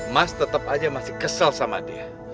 mas tetep aja masih kesel sama dia